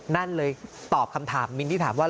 นั่นเลยตอบคำถามมิ้นที่ถามว่า